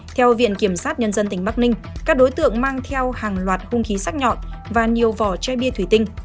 theo viện kiểm sát nhân dân tỉnh bắc ninh các đối tượng mang theo hàng loạt hung khí sắc nhọn và nhiều vỏ chai bia thủy tinh